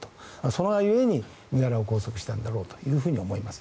それが故に、身柄を拘束したんだろうと思います。